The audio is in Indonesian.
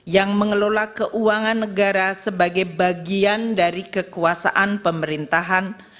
yang mengelola keuangan negara sebagai bagian dari kekuasaan pemerintahan